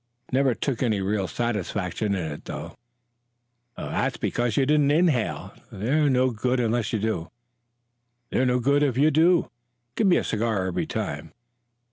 Never took any real satisfaction in it, though." "That was because you didn't inhale; they're no good unless you do." "They're no good if you do; give me a cigar every time."